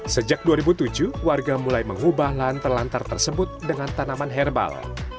sejak dua ribu tujuh warga mulai mengubah lahan terlantar tersebut dengan tanaman herbal